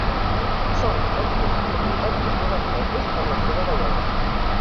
Són bons gossos de companyia, molt estesos per la seva bellesa.